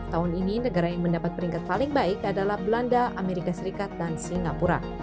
tahun ini negara yang mendapat peringkat paling baik adalah belanda amerika serikat dan singapura